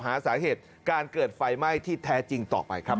หาสาเหตุการเกิดไฟไหม้ที่แท้จริงต่อไปครับ